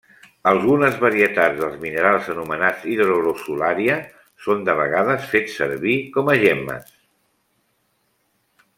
Algunes varietats dels minerals anomenats hidrogrossulària són de vegades fets servir com a gemmes.